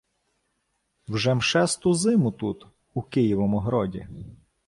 — Вже-м шесту зиму тут, у Києвому гроді.